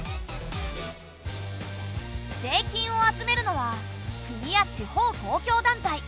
税金を集めるのは国や地方公共団体。